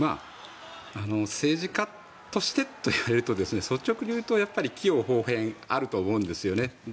政治家としてといわれると率直に言うと毀誉褒貶あると思うんですよね。